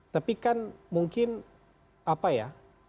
tapi kan mungkin apa ya